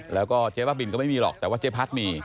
แล้วก็เจ๊บ้าบินก็ไม่มีหรอกแต่ว่าเจ๊พัดมี